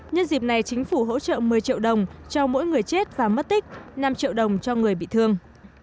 nhân dịp này chính phủ hỗ trợ một mươi triệu đồng cho mỗi người chết và mất tích năm triệu đồng cho người bị thương